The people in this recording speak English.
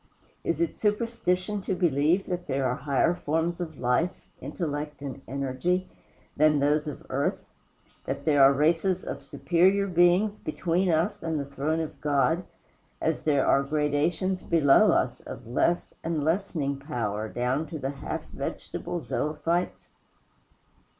Is it superstition to believe that there are higher forms of life, intellect, and energy than those of earth; that there are races of superior beings between us and the throne of God, as there are gradations below us of less and lessening power down to the half vegetable zoöphytes?